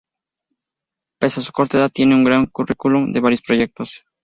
Pese a su corta edad tiene un gran currículum de varios proyectos.